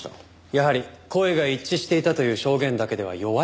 やはり声が一致していたという証言だけでは弱いですね。